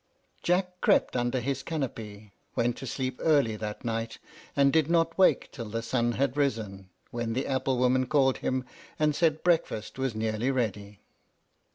Jack crept under his canopy, went to sleep early that night, and did not wake till the sun had risen, when the apple woman called him, and said breakfast was nearly ready.